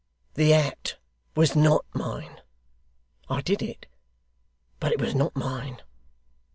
'The act was not mine. I did it, but it was not mine.